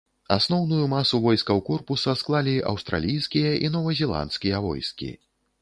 Асноўную масу войскаў корпуса склалі аўстралійскія і новазеландскія войскі.